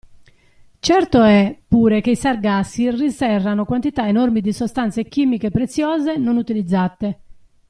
Certo è pure che i sargassi rinserrano quantità enormi di sostanze chimiche preziose non utilizzate.